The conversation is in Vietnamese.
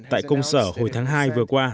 tại công sở hồi tháng hai vừa qua